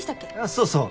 そうそう。